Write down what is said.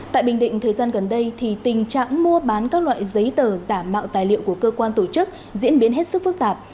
tại bình định thời gian gần đây thì tình trạng mua bán các loại giấy tờ giả mạo tài liệu của cơ quan tổ chức diễn biến hết sức phức tạp